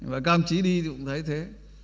và các ông chí đi thì cũng thấy thế